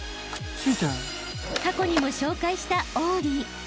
［過去にも紹介したオーリー］